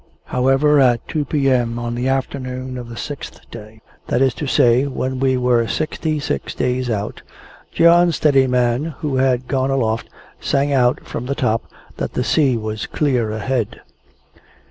However, at two p.m. on the afternoon of the sixth day, that is to say, when we were sixty six days out, John Steadiman who had gone aloft, sang out from the top, that the sea was clear ahead.